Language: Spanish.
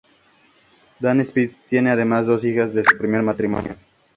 Dan Spitz tiene además dos hijas de su primer matrimonio.